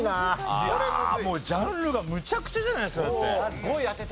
もうジャンルがむちゃくちゃじゃないですかだって。